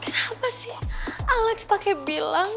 kenapa sih alex pakai bilang